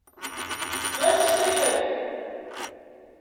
Ɣas fiḥel!